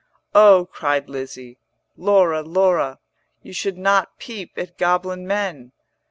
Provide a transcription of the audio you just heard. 'Oh,' cried Lizzie, 'Laura, Laura, You should not peep at goblin men.'